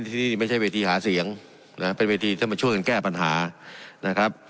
ที่นี่ไม่ใช่เวทีหาเสียงนะเป็นเวทีที่มาช่วยกันแก้ปัญหานะครับ